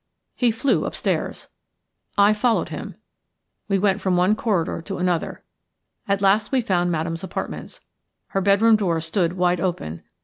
He flew upstairs. I followed him. We went from one corridor to another. At last we found Madame's apartments. Her bedroom door stood wide open.